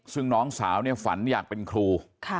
ซึ่งน้องสาวเนี่ยฝันอยากเป็นครู